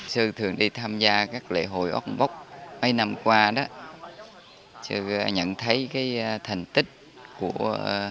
sư thường đi tham gia các lễ hội ốc bốc mấy năm qua đó nhận thấy cái thành tích của